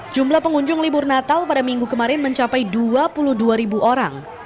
jumlah pengunjung libur natal pada minggu kemarin mencapai dua puluh dua orang